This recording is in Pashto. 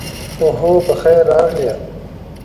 اوهو، پخیر راغلې.